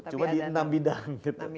cuma di enam bidang